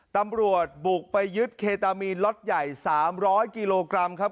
ตำรวจบุกไปยึดเคตามีนล็อตใหญ่๓๐๐กิโลกรัมครับ